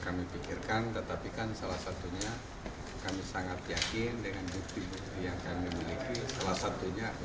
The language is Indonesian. kami pikirkan tetapi kan salah satunya kami sangat yakin dengan bukti bukti yang kami miliki salah satunya